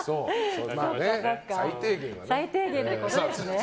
最低限ってことですね。